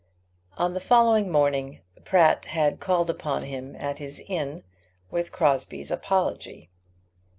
On the following morning Pratt had called upon him at his inn with Crosbie's apology.